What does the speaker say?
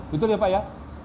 betul ya pak ya